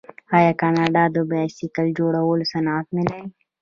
آیا کاناډا د بایسکل جوړولو صنعت نلري؟